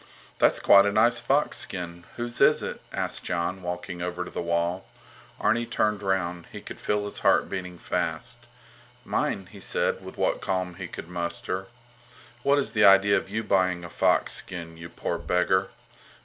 That's quite a nice fox skin. Whose is it? asked Jon, walking over to the wall. Arni turned round. He could feel his heart beating fast. Mine, he said, with what calm he could muster. What is the idea of you buying a fox skin, you poor beggar?